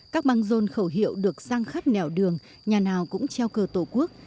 các băng rôn khẩu hiệu được sang khắp nẻo đường nhà nào cũng treo cờ tổ quốc